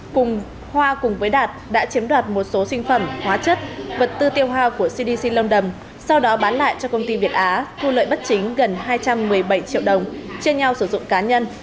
cùng hoa cùng với đạt đã chiếm đoạt một số sinh phẩm hóa chất vật tư tiêu hao của cdc lâm đồng sau đó bán lại cho công ty việt á thu lợi bất chính gần hai trăm một mươi bảy triệu đồng chia nhau sử dụng cá nhân